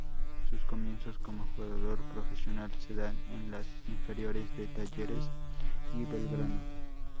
Sus comienzos como jugador profesional se dan en las inferiores de Talleres y Belgrano.